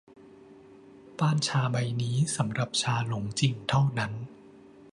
ป้านชาใบนี้สำหรับชาหลงจิ่งเท่านั้น